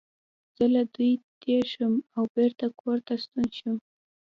زه له دوی تېر شوم او بېرته کور ته ستون شوم.